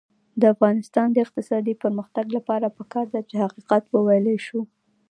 د افغانستان د اقتصادي پرمختګ لپاره پکار ده چې حقیقت وویلی شو.